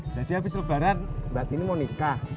jadi abis lebaran mbak tini mau nikah